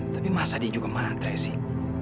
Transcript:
tapi masa dia juga matre sih